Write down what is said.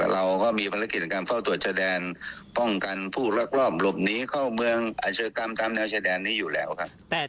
เราก็มีภารกิจในการเฝ้าตรวจชายแดนป้องกันผู้ลักลอบหลบหนีเข้าเมืองอาชกรรมตามแนวชายแดนนี้อยู่แล้วครับ